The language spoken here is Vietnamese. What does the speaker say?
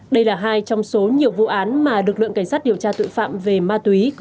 đây là hai trong số nhiều vụ án mà lực lượng cảnh sát điều tra tội phạm về ma túy